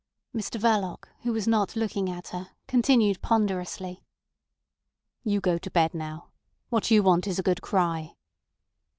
Mr Verloc, who was not looking at her, continued ponderously. "You go to bed now. What you want is a good cry."